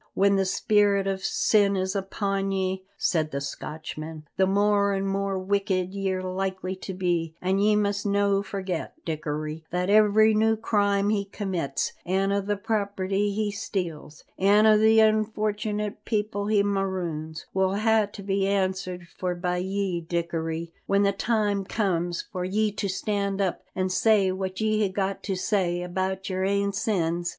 "When the spirit o' sin is upon ye," said the Scotchman, "the more an' more wicked ye're likely to be; an' ye must no' forget, Dickory, that every new crime he commits, an' a' the property he steals, an' a' the unfortunate people he maroons, will hae to be answered for by ye, Dickory, when the time comes for ye to stand up an' say what ye hae got to say about your ain sins.